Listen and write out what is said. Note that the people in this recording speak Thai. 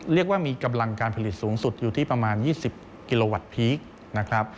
เรียกว่ามีกำลังการผลิตสูงสุดอยู่ที่ประมาณ๒๐กิโลวัตต์พีคนะครับ